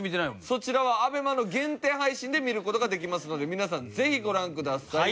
そちらはＡＢＥＭＡの限定配信で見る事ができますので皆さんぜひご覧ください。